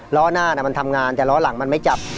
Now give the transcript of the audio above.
ล้อหน้ามันทำงานแต่ล้อหลังมันไม่จับ